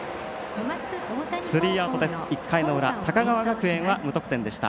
スリーアウトです、１回の裏高川学園は無得点でした。